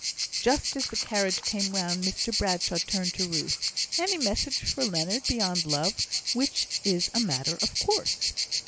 Just as the carriage came round, Mr Bradshaw turned to Ruth: "Any message for Leonard beyond love, which is a matter of course?"